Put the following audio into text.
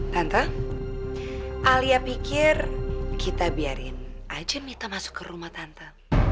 tante alia pikir kita biarin ajan minta masuk ke rumah tante